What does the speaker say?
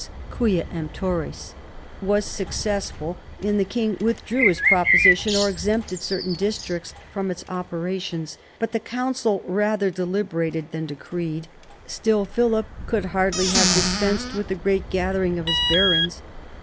's Quia Emptores), was successful, and the king withdrew his proposition or exempted certain districts from its operations ; but the council rather deliberated than decreed. Still Philip could hardly have dispensed with the great gathering of his barons.